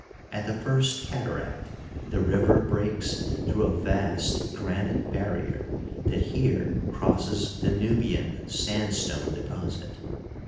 At the First Cataract the river breaks through a vast granite bar rier that here crosses the Nubian sandstone deposit.